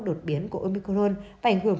đột biến của omicron và ảnh hưởng